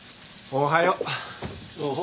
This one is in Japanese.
おおはよう。